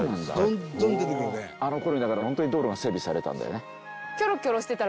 あの頃にだからホントに道路が整備されたんだよね。